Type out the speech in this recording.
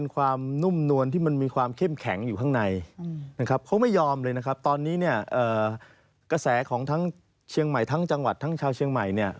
กระแสของทั้งเชียงใหม่ทั้งจังหวัดทั้งชาวเชียงใหม่เนี่ย